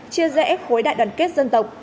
chia rẽ khối đại đoàn kết dân tộc